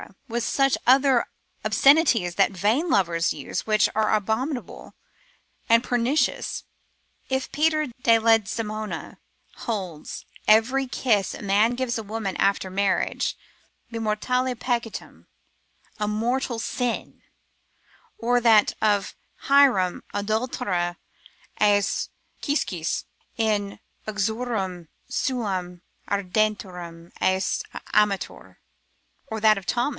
with such other obscenities that vain lovers use, which are abominable and pernicious. If, as Peter de Ledesmo cas. cons. holds, every kiss a man gives his wife after marriage, be mortale peccatum, a mortal sin, or that of Hierome, Adulter est quisquis in uxorem suam ardentior est amator; or that of Thomas Secund.